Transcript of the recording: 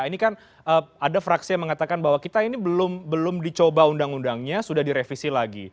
ini kan ada fraksi yang mengatakan bahwa kita ini belum dicoba undang undangnya sudah direvisi lagi